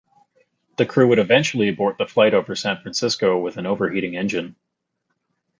The crew would eventually abort the flight over San Francisco with an overheating engine.